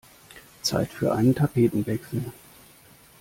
Zeit für einen Tapetenwechsel!